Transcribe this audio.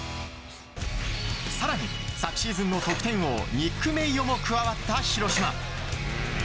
更に、昨シーズンの得点王ニック・メイヨも加わった広島。